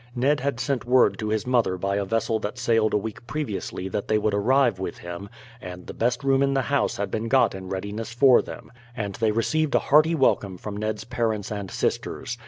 Ned had sent word to his mother by a vessel that sailed a week previously that they would arrive with him, and the best room in the house had been got in readiness for them, and they received a hearty welcome from Ned's parents and sisters.